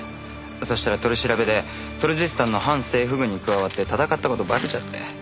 そしたら取り調べでトルジスタンの反政府軍に加わって戦った事バレちゃって。